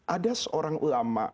ada seorang ulama